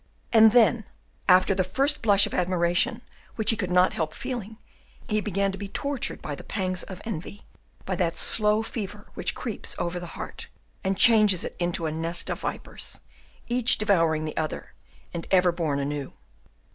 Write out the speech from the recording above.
And then, after the first blush of the admiration which he could not help feeling, he began to be tortured by the pangs of envy, by that slow fever which creeps over the heart and changes it into a nest of vipers, each devouring the other and ever born anew.